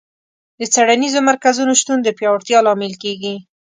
د څېړنیزو مرکزونو شتون د پیاوړتیا لامل کیږي.